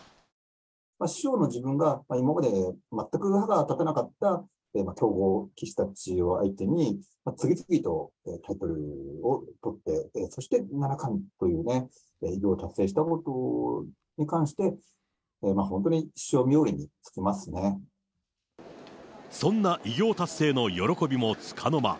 師匠の自分が今まで全く歯が立たなかった強豪棋士たちを相手に、次々とタイトルを取って、そして七冠というね、偉業を達成したことに関して、そんな偉業達成の喜びもつかの間。